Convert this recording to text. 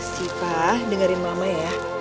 siva dengerin mama ya